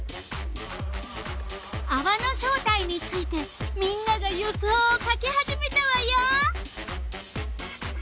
あわの正体についてみんなが予想を書き始めたわよ。